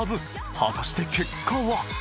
果たして結果は］